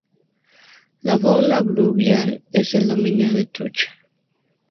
La fauna fluvial es el dominio de trucha.